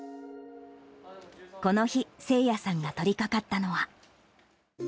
この日、聖也さんが取り掛かったのは。